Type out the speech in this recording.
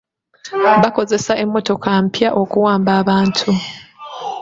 Bakozesa emmotoka mpya okuwamba abantu.